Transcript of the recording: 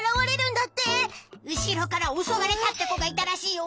うしろからおそわれたってこがいたらしいよ。